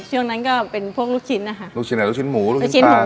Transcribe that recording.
ช่วงนั้นก็เป็นพวกลูกชิ้นนะคะลูกชิ้นไหนลูกชิ้นหมูลูกชิ้นหมู